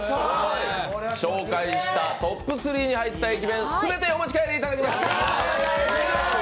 紹介したトップ３に入った駅弁、全てお持ち帰りいただきます。